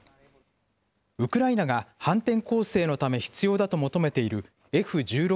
ウクライナが反転攻勢のため必要だと求めているＦ１６